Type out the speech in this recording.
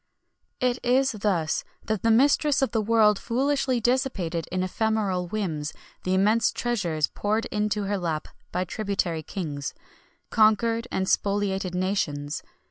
It is thus that the mistress of the world foolishly dissipated in ephemeral whims the immense treasures poured into her lap by tributary kings conquered and spoliated nations.